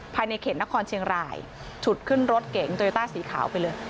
ภายในเขตนครเชียงรายฉุดขึ้นรถเก๋งโตโยต้าสีขาวไปเลย